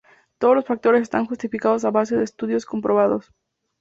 Todos los factores están justificados a base de estudios comprobados.